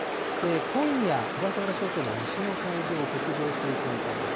今夜、小笠原諸島の西の海上を北上していく見込みです。